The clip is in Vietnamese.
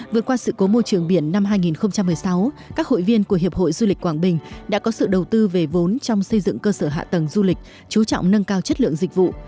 vượt qua sự cố môi trường biển năm hai nghìn một mươi sáu các hội viên của hiệp hội du lịch quảng bình đã có sự đầu tư về vốn trong xây dựng cơ sở hạ tầng du lịch chú trọng nâng cao chất lượng dịch vụ